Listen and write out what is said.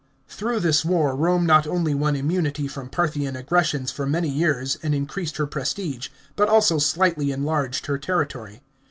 Through this war Rome not only won immunity from Parthian aggressions for many years and increased her prestige, but also slightly enlarged her territory.